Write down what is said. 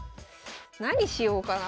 何しようかな。